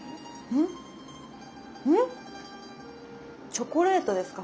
チョコレートですか？